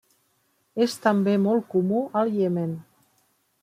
És també molt comú al Iemen.